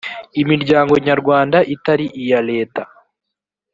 imiryango nyarwanda itari iya leta